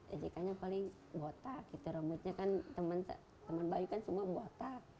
ejekannya paling botak gitu rambutnya kan teman bayu kan semua botak